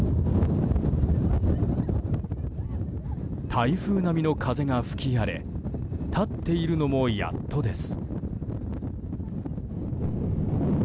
台風並みの風が吹き荒れ立っているのもやっとです。